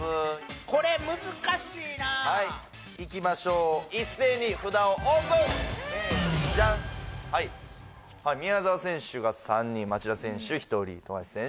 これ難しいないきましょう一斉に札をオープンジャンはい宮澤選手が３人町田選手